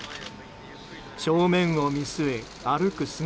正面を見据え、歩く姿。